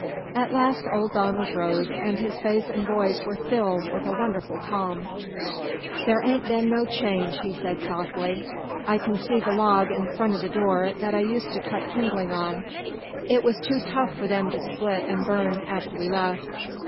At last old Donald rose, and his face and voice were filled with a wonderful calm. "There ain't been no change," he said softly. "I can see the log in front o' the door that I used to cut kindling on. It was too tough for them to split an' burn after we left.